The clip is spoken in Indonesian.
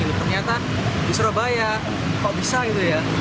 tapi ternyata di surabaya kok bisa ya